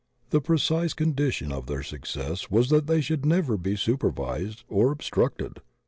The precise condition of their success was that they should never be supervised or obstructed.